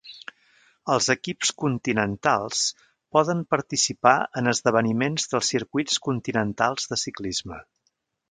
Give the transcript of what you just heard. Els equips continentals poden participar en esdeveniments dels circuits continentals de ciclisme.